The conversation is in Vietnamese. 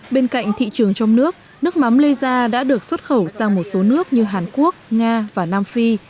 bên cạnh thị trường trong nước nước mắm leza đã được xuất khẩu sang một số nước như hàn quốc nga và nam phi